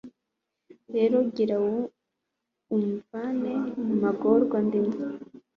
rero gira umvane mu magorwa ndimo